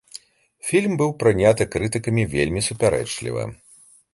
Фільм быў прыняты крытыкамі вельмі супярэчліва.